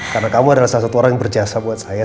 karena kamu adalah salah satu orang yang berjasa buat saya